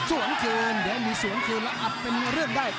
สวนคืนเดี๋ยวมีสวนคืนแล้วอัดเป็นเรื่องได้